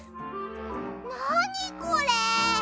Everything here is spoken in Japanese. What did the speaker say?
なにこれ？